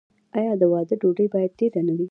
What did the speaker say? آیا د واده ډوډۍ باید ډیره نه وي؟